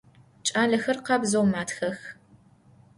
Ç'alexer khabzeu matxex.